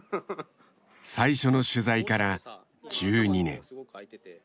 最初の取材から１２年。